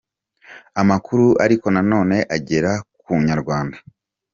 Amakuru ariko nanone agera ku inyarwanda.